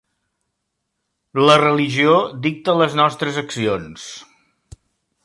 La religió dicta les nostres accions.